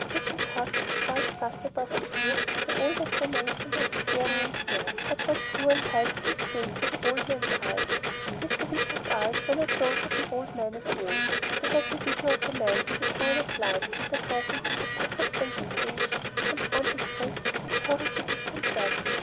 Little tufts of white fuzz above the ears were all that remained of the antiquarian's hair, but what drew and held Chris's gaze were the old man's eyes. Mr. Wicker's eyes were not those of an old man at all. They had the vigor of a man in the prime of life, and their presence in that puckered face of age which confronted Chris was horribly disconcerting.